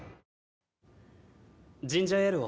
ジンジャーエールを。